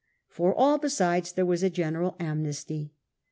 For all besides there was a general amnesty.